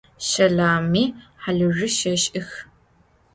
Şelami halızjüi şêş'ıx.